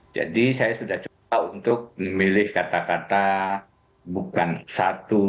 jadi saya sudah coba untuk memilih kata kata bukan satu